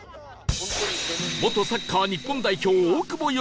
元サッカー日本代表大久保嘉人